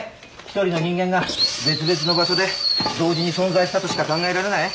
１人の人間が別々の場所で同時に存在したとしか考えられない？